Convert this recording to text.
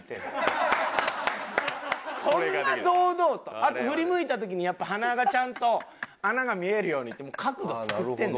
あと振り向いた時にやっぱ鼻がちゃんと穴が見えるようにって角度作ってんねん。